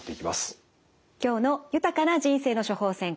今日の「豊かな人生の処方せん」